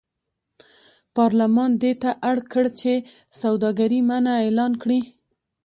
پارلمان دې ته اړ کړ چې سوداګري منع اعلان کړي.